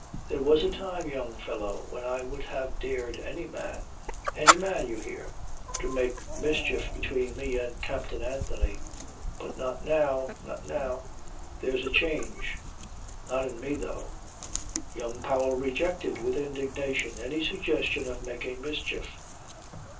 There was a time, young fellow, when I would have dared any man any man, you hear? to make mischief between me and Captain Anthony. But not now. Not now. There's a change! Not in me though ..." Young Powell rejected with indignation any suggestion of making mischief.